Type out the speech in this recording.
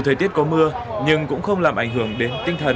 thời tiết có mưa nhưng cũng không làm ảnh hưởng đến tinh thần